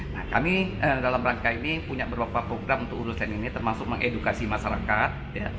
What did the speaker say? nah kami dalam rangka ini punya beberapa program untuk urusan ini termasuk mengedukasi masyarakat